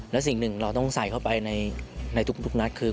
และสิ่งหนึ่งเราต้องใส่เข้าไปในทุกนัดคือ